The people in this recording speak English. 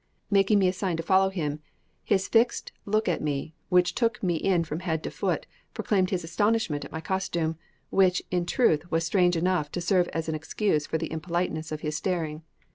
Making me a sign to follow him, his fixed look at me, which took me in from head to foot, proclaimed his astonishment at my costume, which in truth was strange enough to serve as an excuse for the impoliteness of his staring.